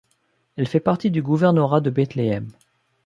Elle fait partie du gouvernorat de Bethléem.